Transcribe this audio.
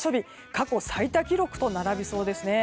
過去最多記録と並びそうですね。